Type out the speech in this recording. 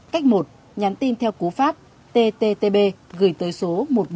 cách một nhắn tin theo cú pháp tttb gửi tới số một nghìn bốn trăm một mươi bốn